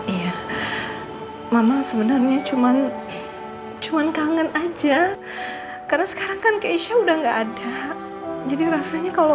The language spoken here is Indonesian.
iya mama sebenarnya cuman cuman kangen aja karena sekarang kan keisha udah nggak ada jadi rasanya kalau